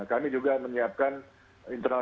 kami juga menyiapkan internal